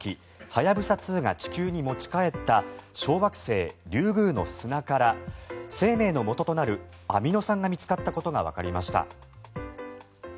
はやぶさ２が地球に持ち帰った小惑星リュウグウの砂から生命のもととなるアミノ酸が見つかったことがわかりました。